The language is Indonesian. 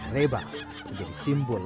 reba menjadi simbol